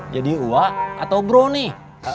jadi wak atau bro nih